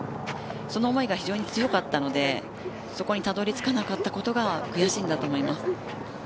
その思いが非常に強かったのでそこにたどり着かなかったことが悔しいんだと思います。